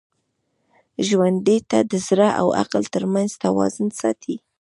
ژوندي د زړه او عقل تر منځ توازن ساتي